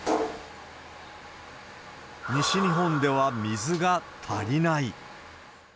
西日本では水が足りない。